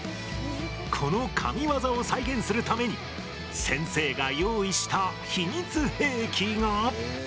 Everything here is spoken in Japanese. この神ワザを再現するために先生が用意した秘密兵器が。